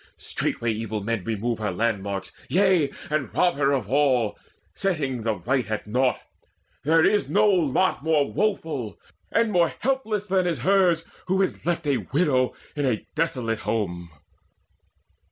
Straightway evil men remove Her landmarks, yea, and rob her of her all, Setting the right at naught. There is no lot More woeful and more helpless than is hers Who is left a widow in a desolate home."